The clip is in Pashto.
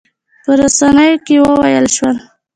په رسنیو کې وویل شول.